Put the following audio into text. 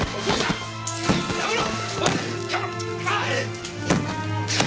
やめろ！